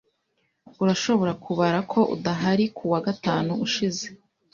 Urashobora kubara ko udahari kuwa gatanu ushize?